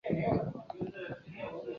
武汉市优秀专家。